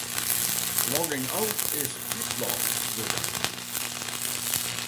Logging out is útlogge wurden.